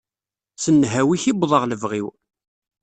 S nnhawi-k i wwḍeɣ lebɣi-w.